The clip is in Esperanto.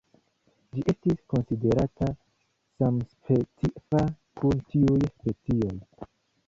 Ĝi estis konsiderata samspecifa kun tiuj specioj.